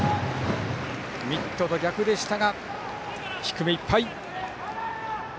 ミットと逆でしたが低めいっぱい！